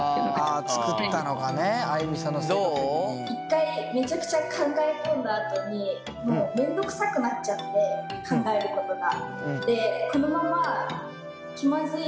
１回メチャクチャ考え込んだあとに面倒くさくなっちゃって考えることが。